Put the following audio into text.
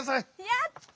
やった！